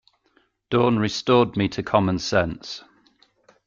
Dawn restored me to common sense.